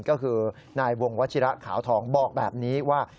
ก็คือนายวงวัชิระขาวทองบอกแบบนี้ว่า